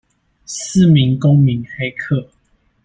四名公民黑客